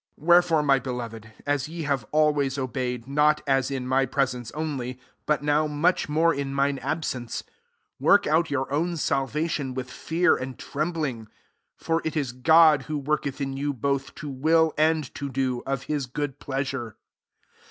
12 Wherefore, my beloved, as ye have always obeyed, not as in my presence only, but now much more in mine ab sence, work out your own sal vation with fear and trembling : 13 for it is God who worketh in you both to will and to do, of his good pleasure.